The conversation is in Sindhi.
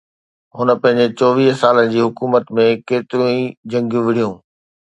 هن پنهنجي چوويهه سالن جي حڪومت ۾ ڪيتريون ئي جنگيون وڙهيون